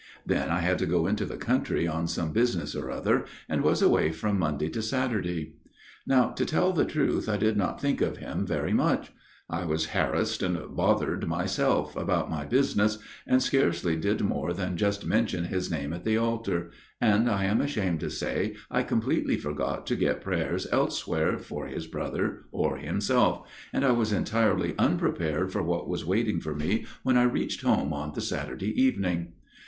Then I had to go into the country on some business or other, and was away from Monday to Saturday. " Now to tell the truth I did not think of him very much ; I was harassed and bothered myself, about my business, and scarcely did more than just mention his name at the altar, and I am ashamed to say I completely forgot to get prayers elsewhere for his brother or himself, and I was entirely unprepared for what was waiting for me when I reached home on the Saturday evening."